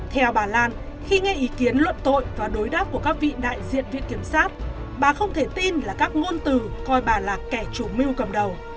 theo bà lan khi nghe ý kiến luận tội và đối đáp của các vị đại diện viện kiểm sát bà không thể tin là các ngôn từ coi bà là kẻ chủ mưu cầm đầu